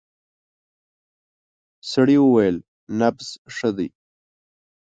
سړی وویل نبض ښه دی.